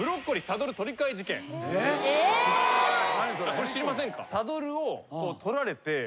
これ知りませんか？